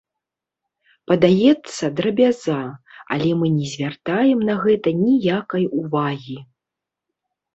Падаецца, драбяза, але мы не звяртаем на гэта ніякай увагі.